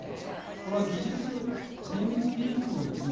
これは精密技術のですね